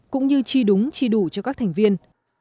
cũng như chi đúng chi đủ cho các thành viên